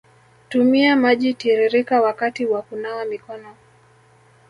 tumia maji tiririka wakati wa kunawa mikono